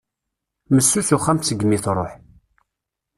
Messus axxam segmi truḥ.